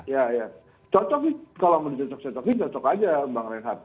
iya cocok sih kalau mau dicocok cocok sih cocok aja bang rehat